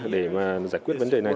để mà giải quyết vấn đề này